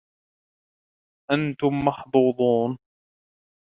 أنتم محظوظون.